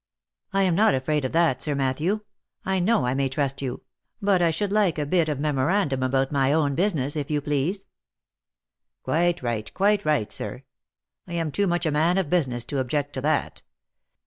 " I am not afraid of that, Sir Matthew; I know I may trust you. But I should like a bit of a memorandum about my own business, if you please." " Quite right, quite right, sir. I am too much a man of business to object to that.